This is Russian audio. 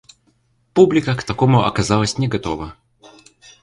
Публика к такому оказалась не готова.